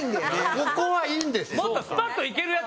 ここはいいんですよ。